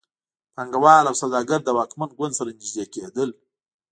پانګوال او سوداګر له واکمن ګوند سره نږدې کېدل.